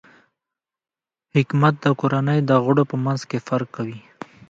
حکمت د کورنۍ د غړو په منځ کې فرق کوي.